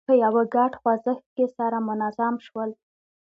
په یوه ګډ خوځښت کې سره منظم شول.